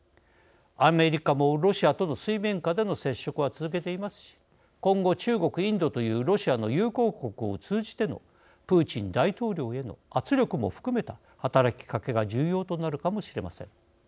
アメリカもロシアとの水面下での接触は続けていますし今後、中国、インドというロシアの友好国を通じてのプーチン大統領への圧力も含めた働きかけが重要となるかもしれません。